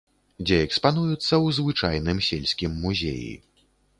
Дзе экспануюцца ў звычайным сельскім музеі.